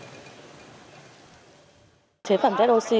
nguyễn văn thuỳnh chế phẩm redoxi ba c